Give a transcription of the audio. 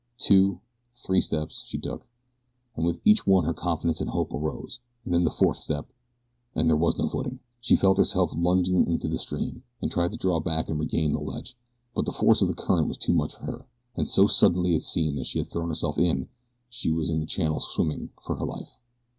Two, three steps she took, and with each one her confidence and hope arose, and then the fourth step and there was no footing. She felt herself lunging into the stream, and tried to draw back and regain the ledge; but the force of the current was too much for her, and, so suddenly it seemed that she had thrown herself in, she was in the channel swimming for her life.